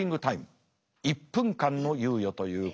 １分間の猶予ということになります。